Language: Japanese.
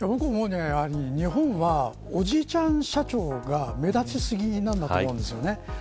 日本はおじいちゃん社長が目立ちすぎなんだと思うんです。